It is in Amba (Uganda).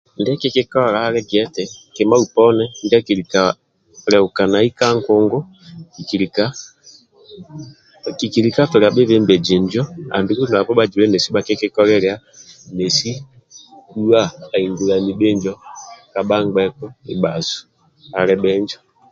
Ndiakikikola andi giet kima poni ndia kilika lehokanai ka nkungu kikilika tolia bhebembezi bha zibe nesi bhakikikolia nensi kuwa ahigulani bhinjo kabha ghenku ndi bhasu ali bhinjo